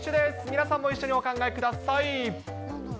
皆さんも一緒にお考えください。